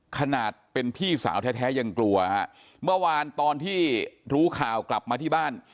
ขนาดเป็นพี่สาวแท้ยังกลัวฮะเมื่อวานตอนที่รู้ข่าวกลับมาที่บ้าน